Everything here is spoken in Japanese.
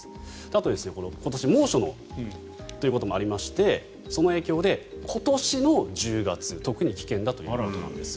あと、今年猛暑ということもありましてその影響で今年の１０月特に危険だということなんです。